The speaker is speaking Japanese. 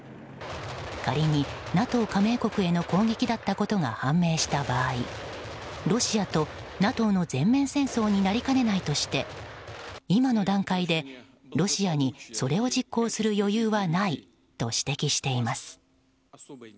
仮にＮＡＴＯ加盟国への攻撃だったことが判明した場合ロシアとＮＡＴＯの全面戦争になりかねないとして今の段階で、ロシアにそれを実行する余裕はないと指摘しています。